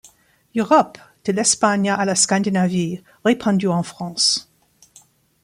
Europe, de l'Espagne à la Scandinavie, répandu en France.